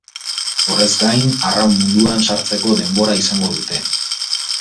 Horrez gain, arraun munduan sartzeko denbora izango dute.